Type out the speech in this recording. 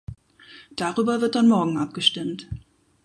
Darüber wird dann morgen abgestimmt.